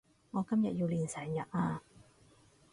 我今日要練成日呀